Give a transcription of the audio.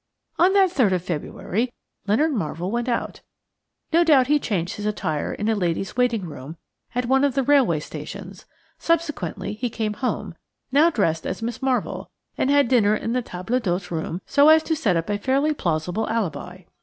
"On that 3rd of February Leonard Marvell went out. No doubt he changed his attire in a lady's waiting room at one of the railway stations; subsequently he came home, now dressed as Miss Marvell, and had dinner in the table d'hôte room so as to set up a fairly plausible alibi.